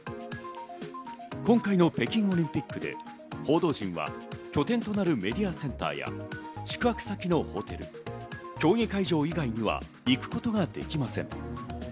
今回の北京オリンピックで報道陣は拠点となるメディアセンターや宿泊先のホテル、競技会場以外には行くことができません。